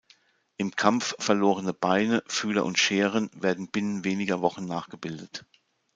Im Kampf verlorene Beine, Fühler und Scheren werden binnen weniger Wochen nachgebildet.